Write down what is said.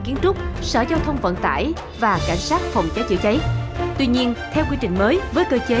kiến trúc sở giao thông vận tải và cảnh sát phòng cháy chữa cháy tuy nhiên theo quy trình mới với cơ chế